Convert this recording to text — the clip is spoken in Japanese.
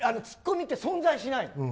ツッコミって存在しないの。